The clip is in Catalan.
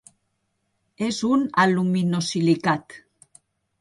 És un aluminosilicat.